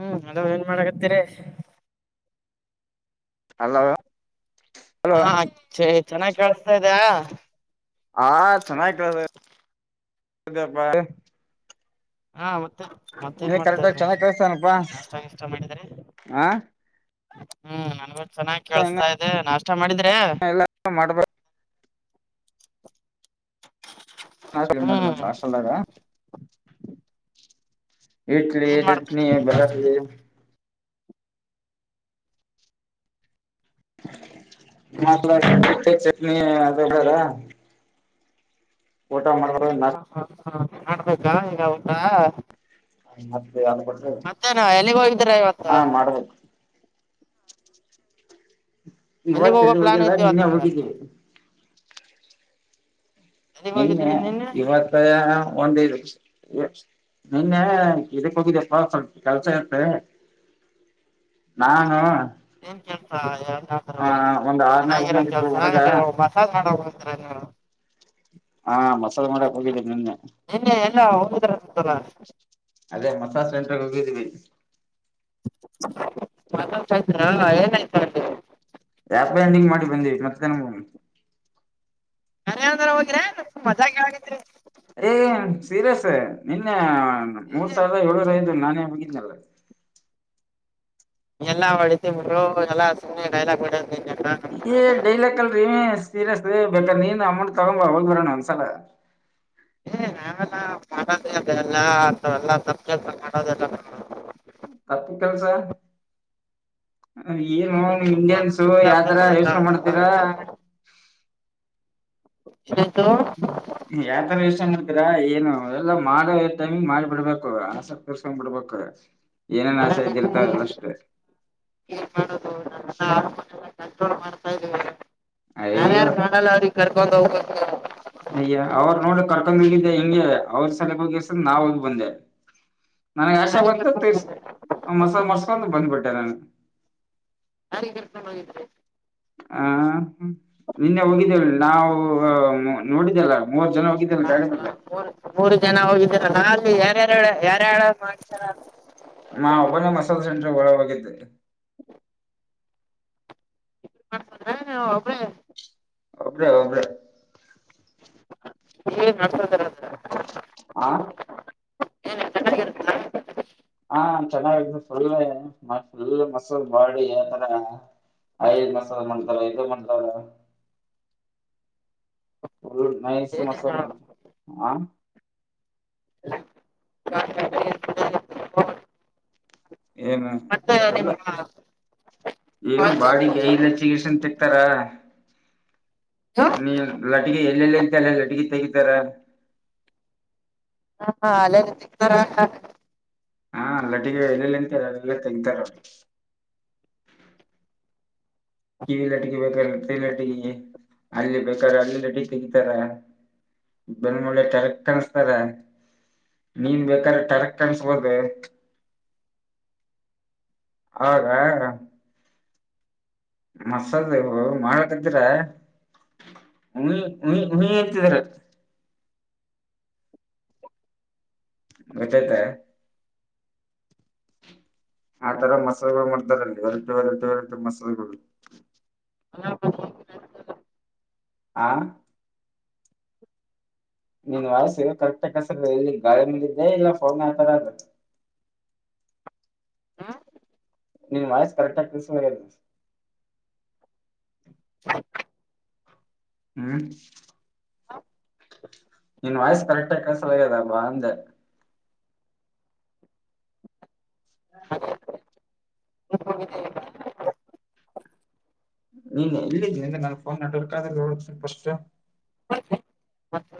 ಹ್ಮ್ ಅದಾವಾ ಏನ್ ಮಾಡಾಕತ್ತೀರಿ. ಹಲ್ಲೋ. ಹಾ ಚ ಚೆನ್ನಾಗ್ ಕೇಳಸ್ತ ಅ [inaudible] ಹಾ ಚೆನ್ನಾಗ್ ಕೇಳ್ತಾ ಐತಿ ದಪ [unintelligible] ಹಾ ಮತ್ತ್ ಮತ್ತೇನ್ ಮಾಡ್ತಾ ಕರೆಕ್ಟಾಗಿ ಇದ್ರಿ ಚೆನ್ನಾಗ್ ಕೇಳಸ್ತಾನಪ್ಪಾ ನಾಷ್ಟ ಗಿಷ್ಟ ಮಾಡಿದ್ರಿ. ಹ ಹ್ಮ್ ನನ್ಗು ಚೆನ್ನಾಗಿ ಕೇಸ್ತಾ ಇದೆ ನಾ ಊಟ ಮಾಡಿದ್ರೆ. ಎಲ್ಲ ಮಾಡ್ಬೇಕ ನಾಷ್ಟ ಏನು ಹ್ಮ್ ಮಾಡಿದ್ರಪ್ಪ ಹಾಸ್ಟೆಲ್ ದಾಗ [inaudible] ಇಡ್ಲಿ ಏನ್ ಮಾಡ್ತಾ ಇದ್ರ ಚಟ್ನ ನಿಮ್ ಬರಾಟ್ಲಿ ಹಾಸ್ಟೆಲ್ ಮತ್ [unintelligible] ನೀ ಅರ ಮಾಡ ನಾ ಹಾ ಹಾ ಹಾ ಮಾಡ್ಬೇಕಾ ಊಟ ಈಗ. ಹ್ಮ ಮತ್ತೇನಾ ಎಲ್ಲಿಗೆ ಹೋಗಿದ್ದೀರ ಹಾ ಇವತ್ತು. [inaudible] ಮಾಡ್ಬೇಕು ಎಲ್ಲಿಗ್ ಹೋಗೋ ಇವತ್ತಲ್ಲಿ ಪ್ಲಾನ್ ಹೋಗಿಲ್ಲ ಐತಿ ಇವತ್ ನಿನ್ನೆ ನಿಮ್ಗ ಹೋಗಿದ್ದೀವಿ. [inaudible] ಎಲ್ಲಿಗ್ ನಿನ್ನೆ ಹೋಗಿದ್ರಿ ಇವತ್ತ್ ಒಂದೈದುಷ ನಿನ್ನೆ ಇದಕ್ಕ ಹೋಗಿದಪ್ಪಾ ಸ್ವಲ್ಪ ಕೆಲಸ ಇತ್ತ ನಾನು. ಏನ್ ಆ ಕೆಲಸಾದ್ರೂ ಒಂದ್ [inaudible] ಆರ್ನೇ ಚೆನ್ನಾಗಿರೋ ರೂಮ್ನಾಗ ಇದ್ದ ಕೆಲ್ಸ ಹುಡುಗ ಮಸಾಜ್ ಮಾಡ್ ಹಾ ಹಾ [inaudible] ಹಾ ಮಸಾಜ್ ಮಾಡಕ್ ಹೋಗಿದ್ದೇನ ನಿನ್ನೆ. ಇಲ್ಲ ಹೋಗಿದ್ರಂತಲ್ಲ [unintelligible] ಅದೇ ಮಸಾಜ್ ಸೆಂಟ್ರೋಗಿದೀವಿ. ಮಸಾಲ್ ಸೆಂಟರ್ ಅಲ್ಲಿ ಏನಾಯ್ತು ಅಲ್ಲಿ. [inaudible] ಯಾಪೈ ಎಂಡಿಂಗ್ ಮಾಡಿ ಬಂದಿವಿ ಮತ್ತ್ ನಾನ್ ಅಂದ್ರೆ ಹೋಗ್ರೆ ಮಜಾಗ್ ಹಗಿದ್ರರಿ. ಏ ಸೀರಿಯಸ್ ನಿನ್ನೆ ಹ ಮೂರ್ ಸಾವಿರದ್ ಏಳು ಐದು ನಾನೆ ಮುಗಿದ್ನಲ್ಲ. ಎಲ್ಲಾ ಹೊಡಿತ ಬ್ರೊ ಎಲ್ಲಾ ಸುಮ್ಮನೆ ಡೈಲಾಗ್ ಹೊಡೆದು ಹೇ ಡೈಲಾಗಳ್ರಿ ಸೀರಿಯಸ್ ಬೇಕ ನೀನ್ ಅಮೌಂಟ್ ತಗೊಂಬ ಹೋಗಿ ಬರಣ ಒಂದ್ಸಲ ಏ ನಾವೆಲ್ಲಾ [unintelligible] ತಪ್ಪು ಕೆಲ್ಸಾ. ಏನು ಇಸ್ಲಾಂ ಇಂಡಿಯನ್ಸು ಯಾವತರ ಇಸ್ಲಾಂದಲ್ಲಿ ಎಲ್ಲ ಯೋಚನೆ ಮಾಡ್ತೀರಾ [inaudible] ಹ್ಮ ಯಾವ ತರ ವಿಷಯ ಮಾಡ್ತ ಏನು ಎಲ್ಲಾ ಮಾಡೋ ಟಮ ಮಾಡಿ ಬಿಡ್ಬೇಕು ಆಸಕ್ ತರ್ಸ್ಕೊಂಡ್ ಬಿಡ್ಬೇಕು ಏನೇನ್ ಹ ಆಸೆ ಇದ್ದಿರ್ತಾವ [unintelligible] ಎಲ್ಲಷ್ಟು ಏನ್ ಮಾಡುದು [unintelligible] ಕಂಟ್ರೋಲ್ ಮಾಡ್ತಾ ಇದೀವಿ. ಯಾರ ಅಯ್ಯೋ ಯಾರ ಮಾಡಲ್ಲಾ ಅವರಿಗ್ ಕರ್ [inaudible] ಅಯ್ಯ [unintelligible] ನಾವ ಹೋಗ ಬಂದೆ. ನನಗೆ ಯಶೆ ನಾನಿಗ್ ಬಂತು ಕರ್ಕೊಂಡ್ ಹೋಗಿದ್ದೆ ಮಸಾಲ ಮಸ್ಕೊಂಡು ಬಂದ್ಬಿಟ್ಟೆ ನನ. [inaudible] ಆ ನಿನ್ನೆ ಹೋಗಿದ್ದೇವೆ ನಾವು ನೋಡಿದ್ದಲ್ಲ. ಮೂವತ್ ಜನ ಹೋಗಿದ್ದಲ್ಲ ಹ ಗಾಡಿ ಮೇಲೆ ಮೂ ಮೂರು ಜನ ಹೋಗಿದ ನಾನ್ ಯಾರ್ಯಾರ ಯಾರ್ಯ ಮಾಡ್ತಾರ ನಾ ಒಬ್ಬನ್ ಮಸಾಲೆ ಸೆಂಟ್ರ ಒಳ್ಗ ಹೋಗಿದ್ದೆ ಮಾಡ್ಕದ್ರ ಒಬ್ರೇ ಒಬ್ಬರೇ ಒಬ್ಬರೇ [inaudible] ಆ ಏನ ಚನ್ನಾಗಿರುತ್ತಾ. ಹಾ ಚೆನ್ನಾಗ ಫುಲ್ ಫುಲ್ ಮಸ ಮಾಡಿ ಆತರ ಐದ್ ಮಸಾದ ಮಾಡ್ತಾರ ಇದು ಮಾಡತಾರ ಫುಲ್ ನೈಸ್ ಮಸಾಜ್ ಮಾಡ್ ಆ ಏನು ಮತ್ತೆ ನಿಮ್ಮ ಅ ಏನು ಬಾಡಿಗೆ ಐಲಚ್ಚಿ ಗಸನ್ ತೆಕ್ತಾರ ನೀ ಲಟ್ಗೆ ಎಲ್ಲೆಲ್ಲ ಇದ್ದಲ್ಲ ಲಟಗೆ ತೆಗಿತಾರ. ಹಾ ಹಾ ಅಲ್ಲ [unintelligible] ಹಾ ಲಲ್ಲಟಿಗೆ ಎಲ್ಲಲ್ಲ ಎಂತ ಎಲ್ಲ ತೆಗತಾರ ಅವರು ಕಿವಿ ಲಟ್ಟಕಿ ಬೇಕಾದ್ರಲಟ್ಟಗಿ ಅಲ್ಲಿ ಬೇಕಾದ್ರೆ ಅಲ್ಲಿ ಬೇಕಂದ್ರ ಅಲ್ಲಿ ಲಟ್ಟಕಿ ತೆಗತಾರ ಬೆನ್ಮೂಲೆ ಟರಕ್ ಕನ್ಸ್ತಾರ ಮೀನ್ ಬೇಕಾದ್ರೆ ಟರಕ್ ಕನ್ಸ್ಬೋದು ಹೌದಾ ಮಸಾಜೀವು ಮಾಡಕಿದ್ರ ಉಯಿ ಉಯಿ ಉಯಿ ಅಂತಿದ್ರ. ಗೊತ್ತೇತ್ ಆತರ ಮಸಾಲೆಗಳು ಮಾಡ್ತಾರಲ್ಲಿ ವೆರೈಟಿ ವೆರೈಟಿ ವೆರೈಟಿ ಮಸಾಲೆಗಳು. ಆ ನಿನ್ ವಯಸ್ಸ್ ಕರೆಕ್ಟ್ ಕೆಸರ ಇಲ್ಲಿ ಗಾಳಿ ಮಿದ್ದೆ ಇಲ್ಲ ಫೋನ್ ಆತರ ಅ ನಿನ್ ವಯಸ್ಸ್ ಕರೆಕ್ಟ್ ಆಗಿ ಕಸ ಮ ಹ್ಮ್ ನಿನ್ ವಾಯ್ಸ್ ಕರೆಕ್ಟ್ ಕಳ್ಸಲಗ್ಯದ ಬ ಅಂದೆ. ಹ [inaudible] [unintelligible] ನೀನ್ ಎಲ್ಲಿದ್ದೀನಿ ಅಂದ್ರೆ ನಾನನ್ ಫೋನ್ ನಬೇಕಬೇಕಾದ್ರ ಸ್ವಲ್ಪ ಫಸ್ಟ್.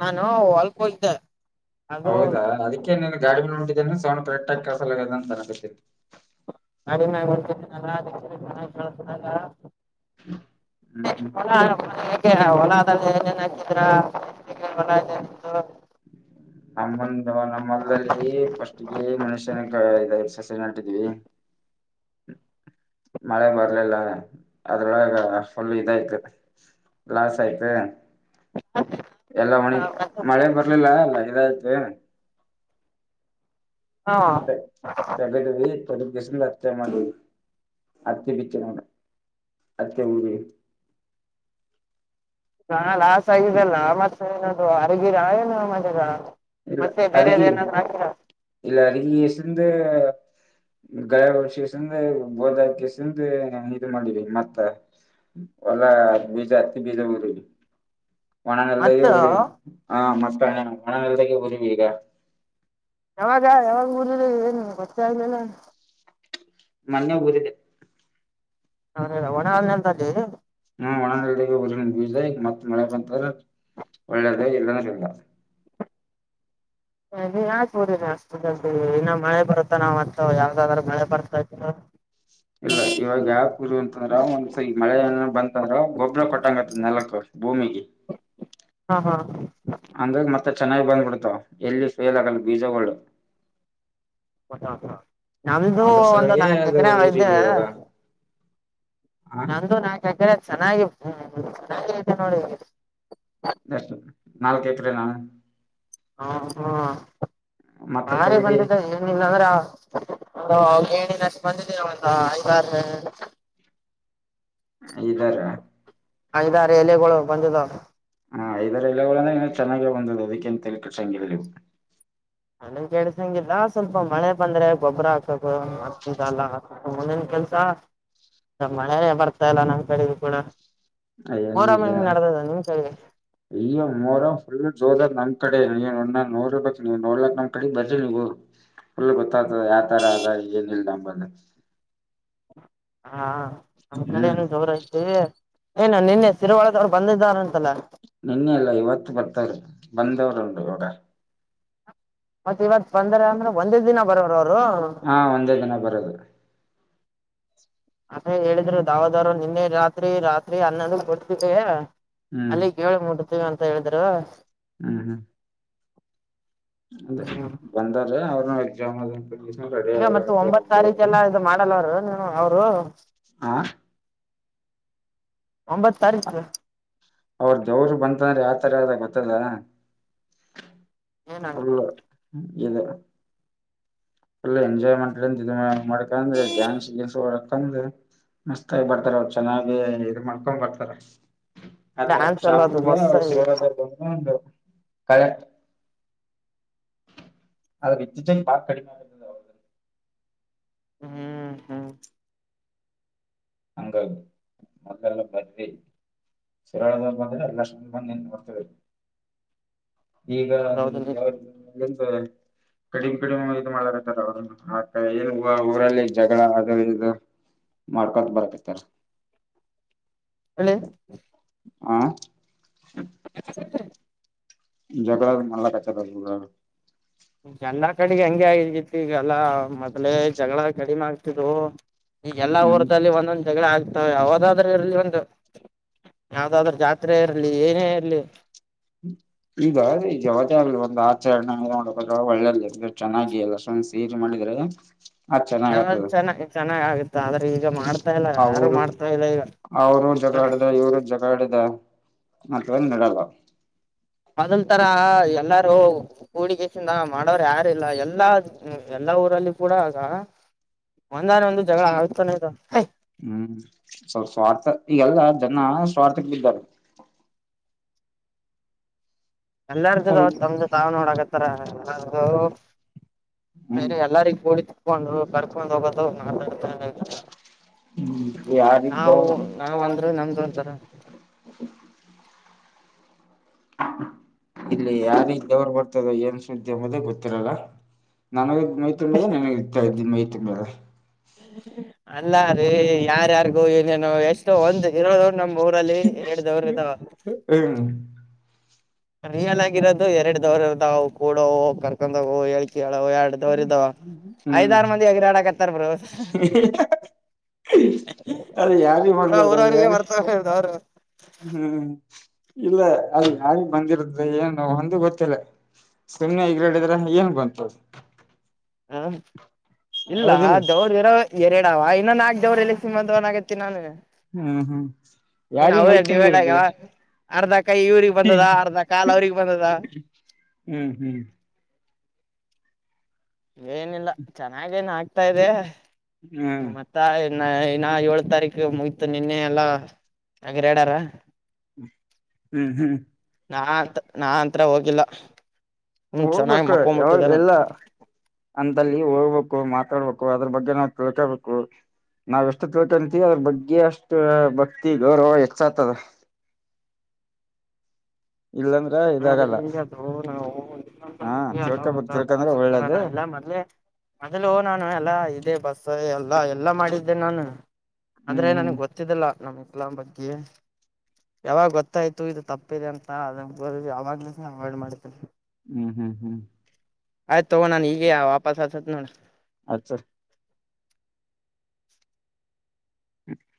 ನಾನು ಹೊಲ್ಕ್ ಹೋಗಿದ್ದೆ. ಅದು ಹೌದಾ ಅದಕ್ಕೆನನು ಗಾಡಿ ಸ ಪ ಸೌಂಡ್ ಕರೆಕ್ಟ್ ಆಗಿ ಕೆಲಸಕ್ [unintelligible] ಹ್ಮ್ ಹ್ಮ್ ಹೊಲ [unintelligible] [unintelligible] ನಮ್ಮಂದ್ ನಮ್ಮಲ್ಲಲ್ಲಿ ಫಸ್ಟ್ಗೆ ಮನುಷ್ಯನ ಇದ ಸಸರ್ ನಟಿದೀವಿ. ಮಳೆ ಬರ್ಲಿಲ್ಲ ಅದ್ರೊಳಗ್ ಫುಲ್ ಇದಾಯ್ತು ಲಾಸ್ ಆಯ್ತು ಎಲ್ಲ ಒಣ ಹಾ ಮಳೆ ಮತ್ತೆ ಬರ್ಲಿಲ್ಲ ಎಲ್ಲ ಇದಾಯಯ್ತು. ಹಾ ತಗದವಿ ಪಸ ಹತ್ತೆ ಮಾಡವಿ ಹತ್ತಿ ಬಿ ಮಾಡ್ ಹತ್ತೆ ನಾ ಲಾಸ್ ಆಗಿದ್ದಲ್ಲ್ ಆ ಮತ್ರ ಏನೋ ಅರಗಿರ ಏನು ಆ ಮಜದ ಇಲ್ಲ ಅರಿಗಿ ಇಲ್ಲ ಅರಿರಿಗೆಸಂದು ಗಾಯಗ ಶಸಂದ್ರೆ ಗೋದ್ ಹಾಕಿಸಂದ್ರೆ ಇ ಮಾಡಿವಿ ಮತ್ತ್ ಎಲ್ಲಾ ಬೀಜ ಹತ್ತಿ ಬೀಜ ಊರಿ ಒಣನಲ್ಲೇ ಮತ್ತ ಉರಿವಿ ಹ ಮಸ್ ಹ ಗರಿ ವಗ್ ಯಾವಾಗ್ ಯಾವಾಗ್ ಊರದಿ ಏನ್ ಗತ್ತಾಗಲಿಲ್ಲ. ಮೊನ್ನೆ ಊರಿದೆ ಹಲ್ಲ ಒಣ ನೆಲದಲ್ಲಿ ಹ್ಮ ಒಣನೆಲ್ದಾಗೆ ಊರಿನ್ಬೀಜ ಮಳೆ ಬಂತ್ ಅಂತ್ರ ಒಳ್ಳೇದು ಇಲ್ಲಂದ್ ಇಲ್ಲ ಯಾಕ್ ನೋಡಿನ್ ಅಷ್ಟು ಜಲ್ ಇನ್ನ ಮಳೆ ಬರುತ್ತ್ ನಾವ್ ಮತ್ತು. ಇಲ್ಲ ಇವಾಗ ಯಾಕರು ಅಂತಂದ್ರ ಒಂದ್ಸ ಮಳೆ ಏನ್ ಬಂತಂದ್ರ ಗೊಬ್ಬ್ರ ಕೊಟ್ಟಂಗತ್ತದ್ ನೆಲ್ಕ ಭೂಮಿಗೆ. ಹಾ ಹಾ [inaudible] ಅಂದ್ರಾಗ ಮತ್ತೆ ಚೆನ್ನಾಗಿ ಬಂದ್ಬಿಡ್ತಾವ ಎಲ್ಲಿ ಫೇಲ್ ಆಗಲ್ ಬೀಜಗಳು. [unintelligible] ನಮ್ದು ಅದ್ರ ಒಂದ ಸಲಾಗೆ ನಾಲ್ಕು ಅದು ಎಕರೆದ ಊರಿವಿ ಇವಾಗ ಅದ್ ಹ ನಮ್ದು ನಾಲ್ಕ ಎಕ್ರೆ. ಚೆನ್ನಾಗಿ ಹ್ಮ್ ಹ್ಮ ಚೆನ್ನಗೆ ಐತೆ ನೋಡಿ ಹ ಎಷ್ಟ್ ನಾಲ್ಕ ಏಕ್ರೇ ನಾ ಹಾ ಹಾ ಮತ್ತ ಹ ರ ತೊಗರಿ ಬಂದಿದ್ದ ಏನ ಇಲ್ಲ ಅಂದ್ರಾ ಒಂದ್ [unintelligible] ಅವ ಏಣಿನಷ್ಟ ಬಂದಿದ್ದೀರ ಒಂದ ಐದಾರ ಇದಾರಾ. ಐದಾರ ಎಲೆಗಳು ಬಂದಿದಾವ. ಹಾ ಐದಾರು ಎಲೆಗಳು ಅಂದ್ರ ಚೆನ್ನಾಗೆ ಬಂದದ ಅದಕ್ಕೇನ್ ತಲೇಕೆಡಿಸ್ಕೊಡಿಲ್ ನೀವ್. ಅಣನ್ ಕೆಡಸಂಗಿಲ್ಲ ಸ್ವಲ್ಪ ಮಳೆ ಬಂದ್ರೆ ಗೊಬ್ಬ್ರ ಹಾಕಕ ಅರ್ತಿದಲ್ಲ ಸ್ವಲ್ಪ ಮುಂದಿನ ಕೆಲ್ಸ ಮಳೆನೇ ಬರ್ತಾ ಇಲ್ಲ ನಂಗ ಕಡೆಗ ಕೂಡ ಮೊಹರಂ ಎಲ್ಲಿಗೆ ಹೆಂಗ್ ನಡ್ದದ ನಿಮ್ ಕಡೆಗೆ ಇಲ್ಲಾ ಮೋರಫು ಇನ್ನು ಜೋರಾಗಿ ಕಡೆ ನೀ ನೋಡ್ರ್ಬೇಕ ನೀ ನೋಡ್ಲಕ್ ನಮ್ ಕಡೆ ಬರ್ರಿ ನೀವು ಗೊತ್ತ ಯಾವ ತರ ಅದ ಏನ ಇಲ್ಲ ನಂಬ [inaudible] ಹಾ ನಮ್ಮ ಕಡೆನು ಜೋರ ಐತಿ ಏನ ನಿನ್ನೆ ತಿರುರುವಳಗ ಅವರು ಬಂದಿದ್ದಾರ ಅಂತಲ್ಲ ನಿನ್ನೆ ಅಲ್ಲಾ ಇವತ್ತ ಬರ್ತವ್ರ ಬಂದವರು ಈವಾಗಾ ಮತ್ತ ಇವಾಗ ಬಂದ್ರ ಅಂದ್ರ ಒಂದೇ ದಿನ ಬರೋ ಹಾ ಒಂದೇ ದಿನ ಬರೋದು ಅದೇ ಹೇಳಿದ್ರು ದಾವದವರು ನಿನ್ನೆ ರಾತ್ರಿ ರಾತ್ರಿ ಹನ್ನೊಂದುಕ್ ಕೊಡ್ತತೆ ಹ್ಮ್ ಅಲ್ಲಿ ಕೇಳ ಮೂಟ ಅಂತ ಹೇಳಿದ್ರ ಹ್ಮ್ ಹ್ಮ್ ಹ್ಮ್ ಬಂದಾರೆ ಅವ್ರ ಹ ಎಕ್ಸ್ಆಮ್ ಅದ. ರೆಡಿ ಈಗ ಮತ್ತ ಆಗ್ಲಾಗತ್ತಾರ ಒಂಬತ್ ತಾರೀಖ ಒಬ್ಬರು ಎಲ್ಲ ಇ ಮಾಡಲ್ಲ ರೀ ನೀ ಅವರು ಹ ಒಂಬತ್ತ ತಾರೀಕ ರೀ ಅವ್ರ ದೇವ್ರ ಬಂತಂದ್ರೆ ಯಾವತರಯ್ದ ಗೊತ್ತಲ್ಲಾ. ಫುಲ್ ಏನಾಗ್ತದೆ ಹ್ಮ್ಮ್ ಇಲ್ಲಾ. ಅಲ್ಲ ಎಂಜಾಯಮೆಂಟ್ [unintelligible] ಮಾಡ್ಕಂದ್ರೆ ಡ್ಯಾನ್ಸ್ಸ [unintelligible] ಬಂದ್ ಮಸ್ತ್ ಆಾಗಿ ಬರ್ತಾರ ಅವರು ಚೆನ್ನಾಗಿ ಇ ಮಾಡ್ಕೊಂಡ್ ಬರ್ತಾರ. ಆತರ ಡ್ಯಾನ್ಸ್ ಎಲ್ಲ ಅದು ಶಾಪುರ್ಗ ಮಸ್ತ್ ಶರಾದ್ ಬಂದು ಒಂದು ಕರೆಕ್ಟ್. [inaudible] ಅವದ [unintelligible] ಹ್ಮ್ ಹ್ಮ್ ಹಂಗ್ ಮೊದಲೆಲ್ಲ ಬರ್ರಿ ಸುರಳದ ಬಂದ್ರೆ ಎಲ್ಲ ಬ ನೋಡ್ತಬೇಕು. ಈಗ ಅದ ಅದೌದು ಯ [unintelligible] ಕಡಿಮ್ ಕಡಿಮ್ ಇ ಮಾಡರ್ತಾರೆ ಅವರು ಆ ಏನ್ ಊರಲ್ಲಿ ಜಗಳ ಅ ಇ ಮಾಡ ಬ ಬರತ [inaudible] ಹೇಳಿ [inaudible] ಆಂ [unintelligible] [unintelligible] ಎಂಡ ಕಡೆಗೆ ಹಂಗೆ ಆಗಿತ್ತು ಈಗಲ್ಲಾ ಮೊದ್ಲೇ ಜಗಳ ಕಡಿಮೆ ಆಗ್ತತ್ತು ಈ ಎಲ್ಲಾ ಹ್ಮ್ ಊರದಲ್ಲಿ ಒಂದೊಂದ್ ಜಗಳ ಆಗ್ತವೆ ಯಾವವುದಾದ್ರರು ಇರ್ಲಿ ಒ ಯಾವ್ದಾದ್ರ ಜಾತ್ರೆ ಇರ್ಲಿ ಏನೇ ಇರ್ಲಿ ಇದು ಯಾವತ್ತೇ ಆಗ್ಲಿ ಒಂದ್ ಆಚರಣೆ ನೋ ಒಳ್ಳೇದ ಚೆನ್ನಾಗಿ ಎಲ್ಲ ಅಷ್ಟೊ ಸೇರಿ ಮಾಡಿದ್ರೆ. ಅದ್ ಚೆನ್ನಾಗ ನಾವ ಆತದ ಚೆನ್ನಾಗ್ ಚೆನ್ನಾಗಗುತ್ತ್ ಆದ್ರೆ ಈಗ ಮಾಡ್ ಅವರು ಅವರು ಜಗಾಡದೆ ಇವರು ಜಗ ಆಡಿದೆ. ಮತ್ತೆ ಒಂದೆಡ್ ಅಲ್ಲ ಮೊದಲ್ ತರ ಎಲ್ಲಾರೂ ಹೂಡಿಕಸಿಂದ ಮಾಡೋರು ಯಾರಿಲ್ಲ ಎಲ್ಲಾ ಮಾಡಿ ಎಲ್ಲಾ ಊರಲ್ಲಿ ಕೂಡ ಆಗ ಒಂದಾನ ಒಂದು ಜಗಳ ಆಗ್ತಾನೆ ಇದ [inaudible] ಹ್ಮ್ ಸ್ವಲ್ಪ ಸ್ವಾರ್ಥ ಈಗೆಲ್ಲ ಜನ ಸ್ವಾರ್ಥಕ್ಕೆ ಬಿದ್ದಿದ್ದಾರು. [inaudible] ಎಲ್ಲಾರ್ದ ಸ್ವಲ್ಪ ತಮ್ದು ತಾವ್ ನೋಡಕತ್ತಾರ ಹ್ಮ್ ಎಲ್ಲಾರ್ದುರೆ ಎಲ್ಲರಿಗ ಕೂಡಿ ಹ ಕರ್ಕೊಂಡ್ ಹೋಗ್ [unintelligible] ಹ್ಮ್ ಯಾರಿಗ್ ನಾವವು ದೇವ್ರ ನಾವವು್ ಅಂದ್ರೆ ನಮ್ದ ಅಂತಾರ. ಇಲ್ಲಿ ಯಾರಿಗೆ ದವರ್ ಬರ್ತದೋ ಏನ್ ಸುದ್ದಿ ಅಂಬುದೇ ಗೊತ್ತಿರಲ್ಲ ನನಗೆ ಮೈ ತುಂಬದ್ ನನಗೆ ಇರ್ತಾ ಇದ್ದ ಮೈ ತುಂಬದ್ ಅಲ್ಲ ರೀ ಯಾರ್ಯಾರ್ಗೋ ಇ ನಾ ಎಷ್ಟೋ ಒಂದ್ ಇರವರು ನಮ್ ಊರಲ್ಲಿ ಎರಡ್ ದವ್ರ ಇದ್ದಾವ ಹ್ಮ್ ರಿಯಲ್ ಆಗಿರೋದು ಎರಡ್ ದವ್ರದವು ಕೂಡ್ ಕರ್ಕೊಂಡ ಹೇ ಹ್ಮ್ ಮಂದಿ ಎಗರಾಡಕತ್ತಾರ ಬ್ರೋ ಅದ ಯಾರಿ ಪೂರಾ ಬಂದದ ಊರವ್ರಿಗೆ ಯಾರಿ ಬರ್ತವ್ರ ಅವ್ರು ಹ್ಮ್ [inaudible] ಇಲ್ಲ ಅಲ್ಲಿ ನಾವಿ ಬಂದಿರದ ಏನು ಹೊಂದ ಗೊತ್ತಿಲ್ಲ ಸುಮ್ಮನೆ ಈಗರುಡಿದ್ರೆ ಏನ್ ಬಂತ್. ಹಾ ಇಲ್ಲ ಅ ಹೌದಿಲ್ಲ ದೇವ್ರಿರವೇ ಎರಡ ಅವ ಇನ್ನ ನಾಕ್ ದೇವರ್ ಇಲ್ಲಿ ಸಿಮ ದವನಾಗತ್ತ ನಾನು ಹ್ಮ್ ಹ್ಮ್ ಇನ್ ಯಾರಿಗ್ ಅವೆ ಮೈ ಡಿವೈಡ್ ಆಗ್ಯಾವ ತುಂಬಿರ್ತದೆ ಅರ್ಧ ಕೈ ಇವ್ರಿಗೆ ಬಂದದ ಅರ್ಧ ಕಾಲ್ ಅವ್ರಗ್ ಬಂದದ ಹ್ಮ್ ಹ್ಮ್ ಹ್ಮ್ ಏನಿಲ್ಲ ಚೆನ್ನಾಗ ನ್ ಹಾಕ ತಾ ಇದೆ ಹ್ಮ್ ಮತ್ತಾ ಇ ನ ಏಳ ತಾರೀಕು ಮುಗತು ನಿನ್ನೆ ಎಲ್ಲಾ ಹಗ್ರ್ಯಾಡಾರ ಹ್ಮ್ ಹ್ಮ್ ನಾ ಅಂತ ನಾ ಅಂತ್ರ ಹೋಗಿಲ್ಲ ಹ್ಮ ಚೆನ್ನಾಗಿ ಹೋಗ್ಬೇಕು ಯಾವ ಮಕ್ಕೊಂಬಿಟ್ಟಿದ್ದ ನಾನು ಎಲ್ಲ ಅಂತಲ್ಲಿ ಹೋಗ್ಬೇಕು [unintelligible] ಳ್ಬೇಕು ಅದ್ರ ಬಗ್ಗೆ ನಾವು ತಿಳ್ಕೊಬೇಕು ನಾವ ಎಷ್ಟು ತಿಳ್ಕೊಂತೀವಿ ಅದ್ರ ಬಗ್ಗೆ ಅಷ್ಟ ಭಕ್ತಿ ಗೌರವ ಹೆಚ್ಚಾತದ ಇಲ್ಲಾಂದ್ರ ನಗ ಇದಾಗಲ್ಲ ಇಲ್ಲ ಹಾ ತಿಳ್ಕೊಬೇಕ್ ತಿಳ್ಕಂದ್ರೆ ಒಳ್ಳೇದು [unintelligible] ಮೊದ್ಲೆ ಮೊದ್ಲು ನಾನು ಎಲ್ಲಾ ಇದೆ ಬಸ್ ಎಲ್ಲ ಅಲ್ಲಾ ಎಲ್ಲಾ ಮಾಡಿದ್ದೆ ನಾನು ಹ್ಮ್ ಆದ್ರೆ ನನಗ್ ಹ್ಮ್ ಗೊತ್ತಿದ್ದಿಲ್ಲ ನಮಗ್ ಎಲ್ಲ ಬಗ್ಗೆ ಯಾವಾಗ ಗೊತ್ತಾಯ್ತು ಇದು ತಪ್ಪಿದೆ ಅಂತ ಅದು ಬರದು ಅವಾಗ್ಲಿಂಧ್ ಅವಾಯ್ಡ್ ಮಾಡಿದ್ದೇರಿ ಹ್ಮ ಹ್ಮ್ ಹ್ಮ್ ಆಯ್ತ ತೊಗೊ ನಾನ ಇಗ ವಪಾಸ ಹಚ್ಚ್ತನ್ ನೋ ಆಯ್ತು ಹ್ಮ